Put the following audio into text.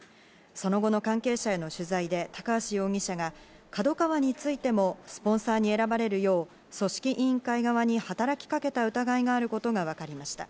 その後の関係者への取材で高橋容疑者がＫＡＤＯＫＡＷＡについてもスポンサーに選ばれるよう組織委員会側に働きかけた疑いがあることが分かりました。